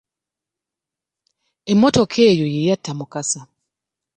Emmotoka eyo ye yatta Mukasa!